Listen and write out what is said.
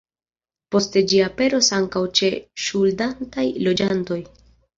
Poste ĝi aperos ankaŭ ĉe ŝuldantaj loĝantoj.